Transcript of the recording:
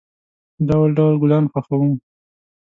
ډول، ډول گلان خوښوم.